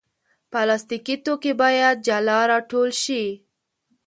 پلاستيکي توکي باید جلا راټول شي.